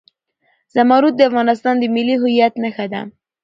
زمرد د افغانستان د ملي هویت نښه ده.